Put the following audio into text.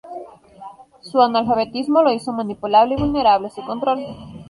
Su analfabetismo lo hizo manipulable y vulnerable a su control.